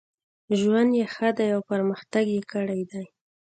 ژوند یې ښه دی او پرمختګ یې کړی دی.